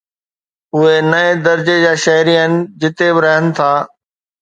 اهي ٽئين درجي جا شهري آهن جتي به رهن ٿا